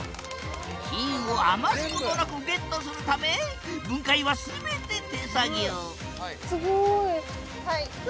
金を余すことなくゲットするため分解はすべて手作業すごい。